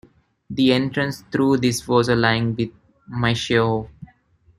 The entrance through this was aligned with Maeshowe.